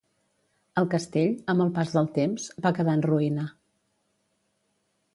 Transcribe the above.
El castell, amb el pas del temps, va quedar en ruïna.